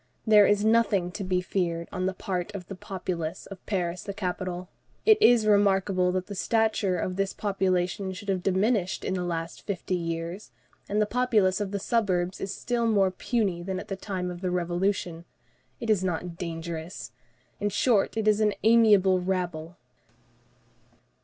There is nothing to be feared on the part of the populace of Paris the capital. It is remarkable that the stature of this population should have diminished in the last fifty years; and the populace of the suburbs is still more puny than at the time of the Revolution. It is not dangerous. In short, it is an amiable rabble."